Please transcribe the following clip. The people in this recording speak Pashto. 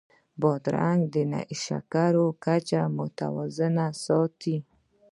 بادرنګ د شکر کچه متوازنه ساتي.